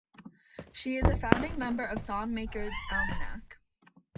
She is a founding member of Songmakers' Almanac.